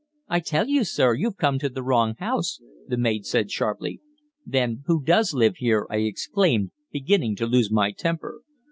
"I tell you, sir, you've come to the wrong house," the maid said sharply. "Then who does live here?" I exclaimed, beginning to lose my temper.